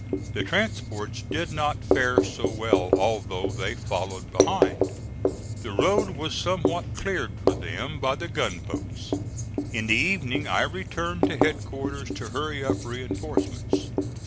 The transports did not fare so well although they followed behind. The road was somewhat cleared for them by the gunboats. In the evening I returned to headquarters to hurry up reinforcements.